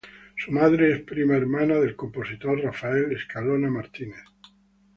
Su madre es prima hermana del compositor Rafael Escalona Martínez.